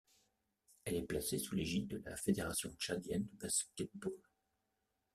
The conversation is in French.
Elle est placée sous l'égide de la Fédération tchadienne de basket-ball.